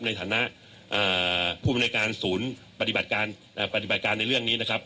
ในฐานะผู้บรรยาการศูนย์ปฏิบัติการในเรื่องนี้นะครับ